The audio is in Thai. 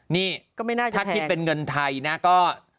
นี่ถ้าคิดเป็นเงินไทยนะก็